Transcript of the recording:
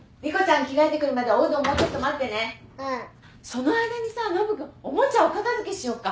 その間にさノブ君おもちゃお片付けしよっか。